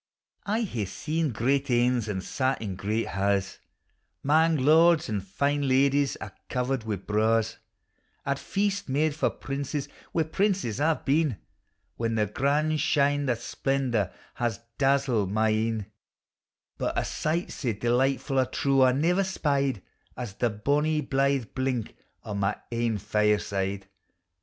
I iiae see great anes and sat in great ha's, 'Mang lords and fine ladies a' covered wi' braws, At feasts made for primes wi' princes I 've been, When the grand shine o' splendor has dazzled my ecu ; 29G POEMS OF HOME. But a sight sae delightfu' I trow I ne'er spied As the bonny blithe blink o' my ain fireside.